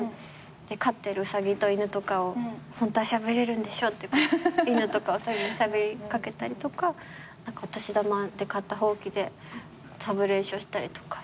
飼ってるウサギと犬とかをホントはしゃべれるんでしょって犬とかウサギにしゃべり掛けたりとかお年玉で買ったほうきで飛ぶ練習をしたりとか。